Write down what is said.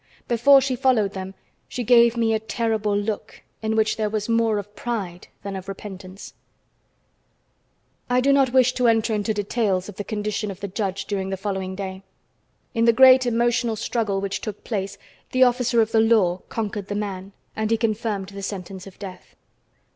Before she followed them, she gave me a terrible look in which there was more of pride than of repentance. I do not wish to enter into details of the condition of the judge during the following day. In the great emotional struggle which took place, the officer of the law conquered the man, and he confirmed the sentence of death.